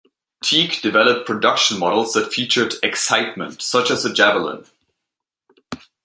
Teague developed production models that featured "excitement" such as the Javelin.